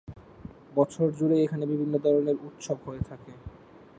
বছর জুড়েই এখানে বিভিন্ন ধরনের উৎসব হয়ে থাকে।